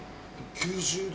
９０度？